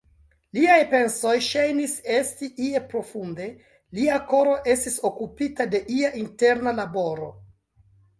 Liaj pensoj ŝajnis esti ie profunde, lia koro estis okupita de ia interna laboro.